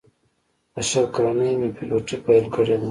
له شل کلنۍ مې پیلوټي پیل کړې ده.